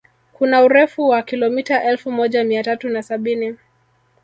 Kuna urefu wa kilomita elfu moja mia tatu na sabini